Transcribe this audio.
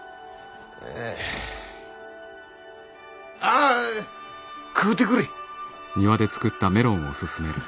あぁ食うてくれ。